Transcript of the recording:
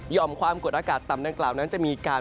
ความกดอากาศต่ำดังกล่าวนั้นจะมีการ